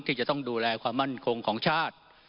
ที่จะต้องดูแลความมั่นคงของชาติ